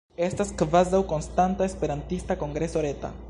Estas kvazaŭ konstanta Esperantista Kongreso Reta.